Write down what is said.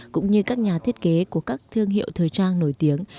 cũng như các nhà thiết kế của các thương hiệu thời trang nổi tiếng